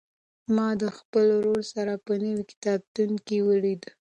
ما د خپل ورور سره په نوي کتابتون کې ولیدل.